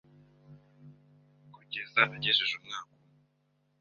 kugeza agejeje umwaka umwe